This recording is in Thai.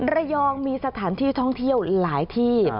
ระยองมีสถานที่ท่องเที่ยวหลายที่